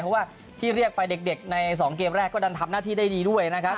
เพราะว่าที่เรียกไปเด็กใน๒เกมแรกก็ดันทำหน้าที่ได้ดีด้วยนะครับ